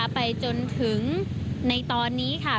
ไปจนถึงในตอนนี้ค่ะ